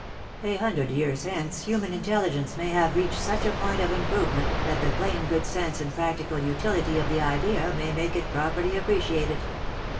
A hundred years hence human intelligence may have reached such a point of improvement that the plain good sense and practical utility of the idea may make it properly appreciated.